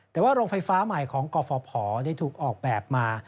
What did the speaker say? แต่ว่าโรงไฟฟ้าใหม่ของกฟภได้ถูกออกแบบมา